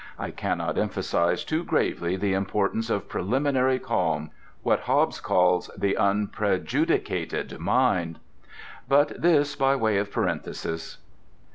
I cannot emphasize too gravely the importance of preliminary calm—what Hobbes calls "the unprejudicated mind." But this by way of parenthesis.)